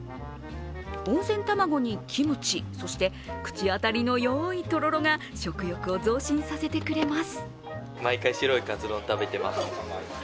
温泉卵にキムチ、そして口当たりのよいとろろが食欲を増進させてくれます。